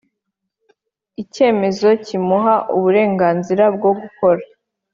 icyemezo kimuha uburenganzira bwo gukora